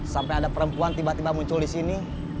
sampai ada perempuan tiba tiba muncul disini